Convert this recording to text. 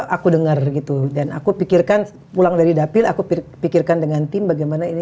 aku dengar gitu dan aku pikirkan pulang dari dapil aku pikirkan dengan tim bagaimana ini